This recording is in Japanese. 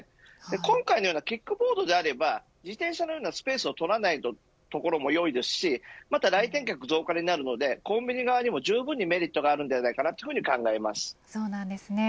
今回のようなキックボードであれば自転車のようなスペースを取らないところも良いですしまた来店客の増加にもなるのでコンビニ側にもメリットがあるというふうに考えます。